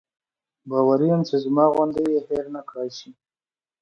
باوري یم چې زما غوندې یې هېر نکړای شي.